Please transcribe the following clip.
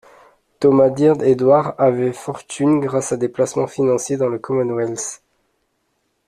Thomas Dyer-Edwardes avait fortune grâce à des placements financiers dans le Commonwealth.